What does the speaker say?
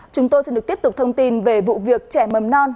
chúng tôi xin được tiếp tục thông tin về vụ việc trẻ mầm non